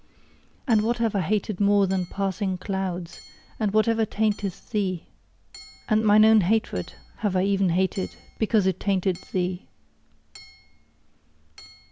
And what have I hated more than passing clouds, and whatever tainteth thee? And mine own hatred have I even hated, because it tainted thee!